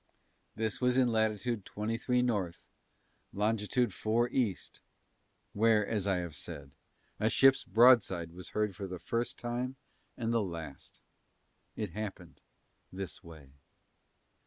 This was in Latitude 23 North, Longitude 4 East, where, as I have said, a ship's broadside was heard for the first time and the last. It happened this way.